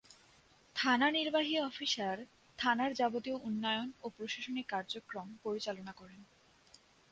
থানা নির্বাহী অফিসার থানার যাবতীয় উন্নয়ন ও প্রশাসনিক কার্যক্রম পরিচালনা করেন।